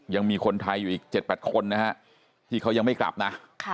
ยังมีคนไทยอยู่อีก๗๘คนนะฮะที่เขายังไม่กลับนะ